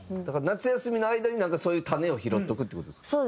だから夏休みの間になんかそういう種を拾っておくって事ですか？